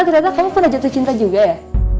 ternyata kamu pernah jatuh cinta juga ya